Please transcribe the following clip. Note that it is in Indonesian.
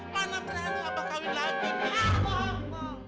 mana berani abah kawin lagi mi